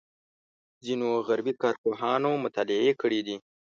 ځینو غربي کارپوهانو مطالعې کړې دي.